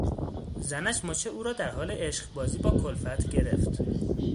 زنش مچ او را در حال عشقبازی با کلفت گرفت.